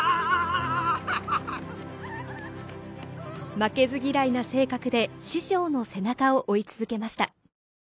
負けず嫌いな性格で師匠の背中を追い続けました。